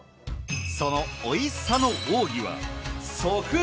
そのおいしさの奥義は。